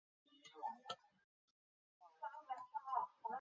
殿试登进士第三甲第八十六名。